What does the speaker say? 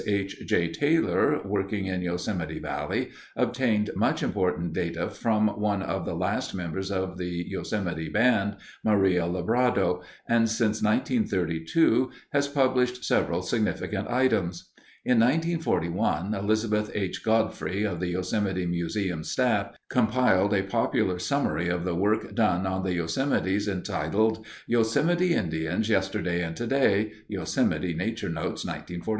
H. J. Taylor, working in Yosemite Valley, obtained much important data from one of the last members of the Yosemite band, Maria Lebrado, and since 1932 has published several significant items. In 1941, Elizabeth H. Godfrey, of the Yosemite Museum staff, compiled a popular summary of the work done on the Yosemites entitled, "Yosemite Indians Yesterday and Today," Yosemite Nature Notes, 1941.